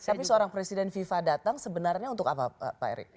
tapi seorang presiden fifa datang sebenarnya untuk apa pak erick